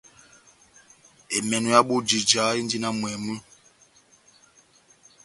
Emènò ya bojija endi na mwɛmi.